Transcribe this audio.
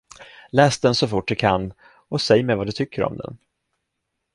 Läs den, så fort du kan, och säg mig vad du tycker om den!